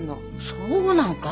そうなんか。